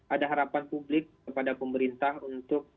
ada harapan publik kepada pemerintah untuk